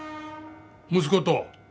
息子と？